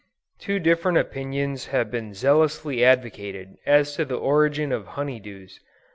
Two different opinions have been zealously advocated as to the origin of honey dews.